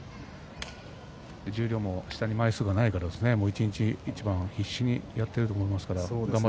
十両も下に枚数がないから一日一番を必死にやっていると思いますね。